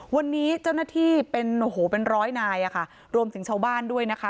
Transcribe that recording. วันนี้เจ้าหน้าที่เป็นโอ้โหเป็นร้อยนายอะค่ะรวมถึงชาวบ้านด้วยนะคะ